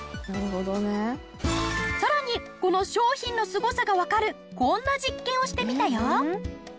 さらにこの商品のすごさがわかるこんな実験をしてみたよ。